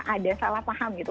ada salah paham gitu